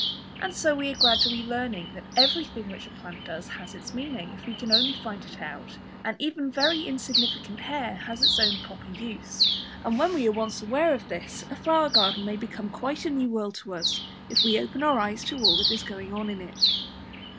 And so we are gradually learning that everything which a plant does has its meaning, if we can only find it out, and that even very insignificant hair has its own proper use, and when we are once aware of this a flower garden may become quite a new world to us if we open our eyes to all that is going on in it.